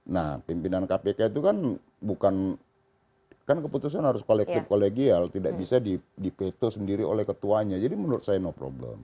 nah pimpinan kpk itu kan bukan kan keputusan harus kolektif kolegial tidak bisa dipeto sendiri oleh ketuanya jadi menurut saya no problem